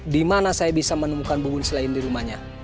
dimana saya bisa menemukan bu bun selain di rumahnya